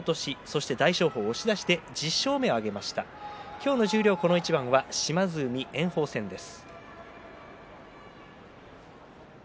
今日の十両この一番は島津海、炎鵬戦です。